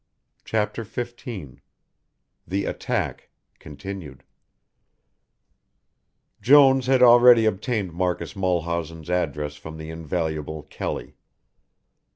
CHAPTER XV THE ATTACK (Continued) Jones had already obtained Marcus Mulhausen's address from the invaluable Kelly.